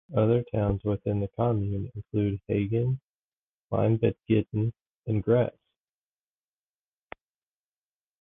Other towns within the commune include Hagen, Kleinbettingen and Grass.